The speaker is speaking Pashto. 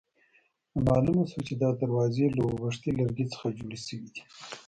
نو معلومه شوه چې دا دروازې له اوبښتي لرګي څخه جوړې شوې دي.